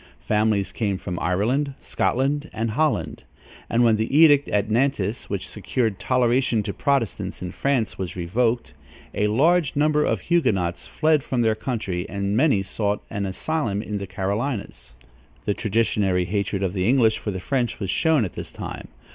Families came from Ireland, Scotland and Holland, and when the edict at Nantes, which secured toleration to Protestants in France, was revoked, a large number of Huguenots fled from their country, and many sought an asylum in the Carolinias. The traditionary hatred of the English for the French was shown at this time.